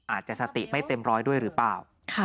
อาจจะสติไม่เต็มร้อยด้วยหรือเปล่า